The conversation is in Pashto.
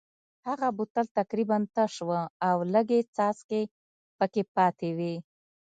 هغه بوتل تقریبا تش و او لږې څاڅکې پکې پاتې وې.